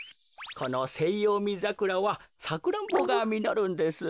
このセイヨウミザクラはサクランボがみのるんです。